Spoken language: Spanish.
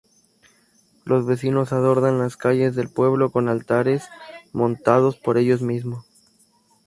Los vecinos adornan las calles del pueblo con altares, montados por ellos mismos.